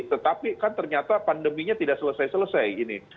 tetapi kan ternyata pandeminya tidak selesai selesai ini